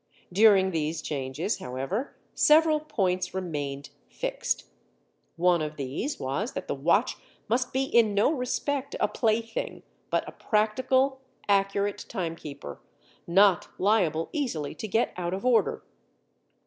During these changes, however, several points remained fixed. One of these was that the watch must be in no respect a plaything, but a practical accurate timekeeper, not liable easily to get out of order.